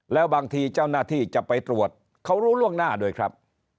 แล้วบางทีเจ้าหน้าที่จะไปตรวจเขารู้ล่วงหน้าด้วยครับ